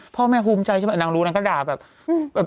พ่อแม่ภูมิใจใช่ไหมนางรู้นางก็ด่าแบบ